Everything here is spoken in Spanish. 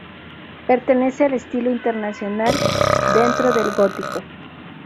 Pertenece al estilo internacional dentro del gótico.